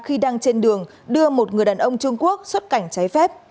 khi đang trên đường đưa một người đàn ông trung quốc xuất cảnh trái phép